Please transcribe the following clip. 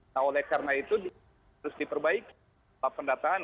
nah oleh karena itu harus diperbaiki pendataan